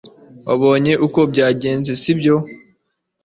Wabonye uko byagenze sibyo